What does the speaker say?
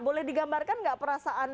boleh digambarkan nggak perasaan